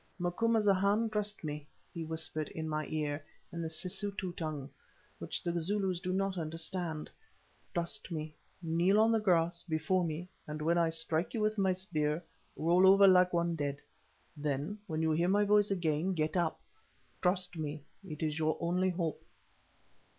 "Macumazahn, trust me," he whispered in my ear in the Sisutu tongue, which the Zulus did not understand. "Trust me; kneel on the grass before me, and when I strike at you with the spear, roll over like one dead; then, when you hear my voice again, get up. Trust me—it is your only hope."